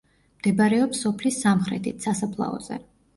მდებარეობს სოფლის სამხრეთით, სასაფლაოზე.